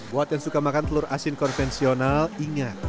buat yang suka makan telur asin konvensional ingat